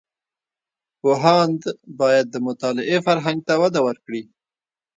پوهاند باید د مطالعې فرهنګ ته وده ورکړي.